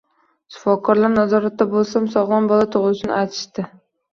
Shifokorlar nazoratda bo`lsam sog`lom bola tug`ilishini aytishdi